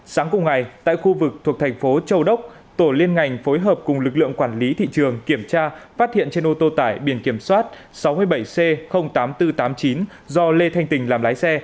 sáng cùng ngày tại khu vực thuộc thành phố châu đốc tổ liên ngành phối hợp cùng lực lượng quản lý thị trường kiểm tra phát hiện trên ô tô tải biển kiểm soát sáu mươi bảy c tám nghìn bốn trăm tám mươi chín do lê thanh tình làm lái xe